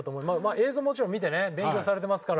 映像をもちろん見てね勉強されてますから。